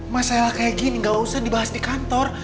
masalah kayak gini gak usah dibahas di kantor